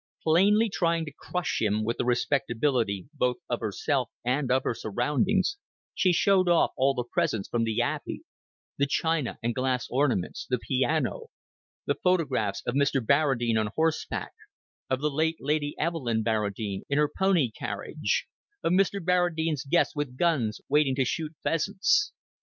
Plainly trying to crush him with the respectability both of herself and of her surroundings, she showed off all the presents from the Abbey the china and glass ornaments, the piano; the photographs of Mr. Barradine on horseback, of the late Lady Evelyn Barradine in her pony carriage, of Mr. Barradine's guests with guns waiting to shoot pheasants.